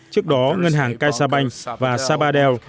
trước đó ngân hàng caixabank và sabadell